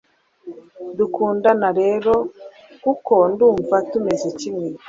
dukundana rero. kuko ndumva tumeze kimwe